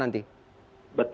yang akan diterapkan nanti